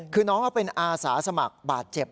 คือน้องเขาเป็นอาสาสมัครบาดเจ็บ